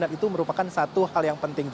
dan itu merupakan satu hal yang penting